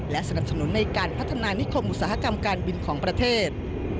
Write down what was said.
และสนับสนุนในการพัฒนานิคมอุตสาหกรรมการบินของประเทศ